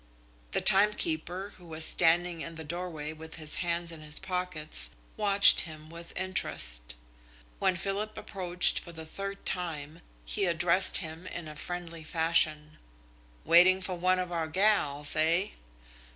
The timekeeper, who was standing in the doorway with his hands in his pockets, watched him with interest. When Philip approached for the third time, he addressed him in friendly fashion. "Waiting for one of our gals, eh?"